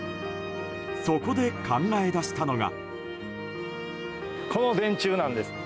そこで考え出したのが。